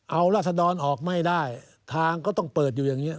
เอาราศดรออกไม่ได้ทางก็ต้องเปิดอยู่อย่างนี้